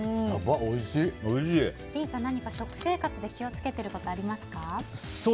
ディーンさん、何か食生活で気を付けていることはありますか。